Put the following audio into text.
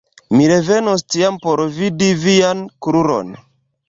Mi revenos tiam por vidi vian kruron.